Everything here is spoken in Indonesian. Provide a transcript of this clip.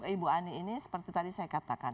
ibu ani ini seperti tadi saya katakan